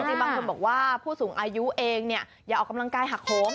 จริงบางคนบอกว่าผู้สูงอายุเองเนี่ยอย่าออกกำลังกายหักโค้ง